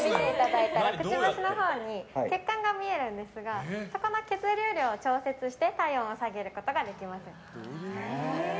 くちばしのほうに血管が見えるんですがそこの血流量を調節して体温を下げることができます。